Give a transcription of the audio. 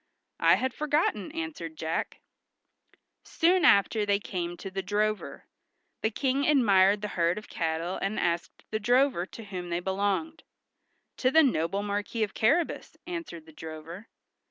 "I had forgotten," answered Jack. Soon after they came to the drover. The King admired the herd of cattle and asked the drover to whom they belonged. "To the noble Marquis of Carrabas," answered the drover.